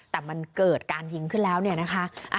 แต่มันเกิดการยิงขึ้นแล้วเนี่ยนะคะ